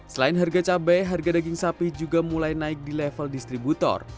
selain harga cabai harga daging sapi juga mulai naik di level distributor